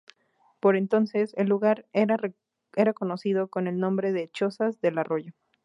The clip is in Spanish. Por entonces, el lugar era conocido con el nombre de Chozas del Arroyo.